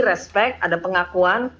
respect ada pengakuan